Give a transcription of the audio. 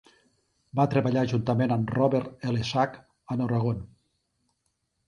Va treballar juntament amb Robert L. Sack en Oregon.